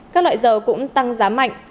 các loại dầu cũng tăng giá mạnh